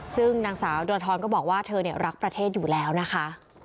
ซึ่งนางสาวดรทรก็บอกว่าเธอรักประเทศอยู่แล้วนะคะ